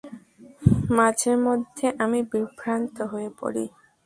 মাঝেমধ্যে আমি বিভ্রান্ত হয়ে পড়ি।